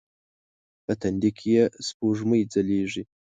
په تندې کې یې سپوږمۍ ځلیږې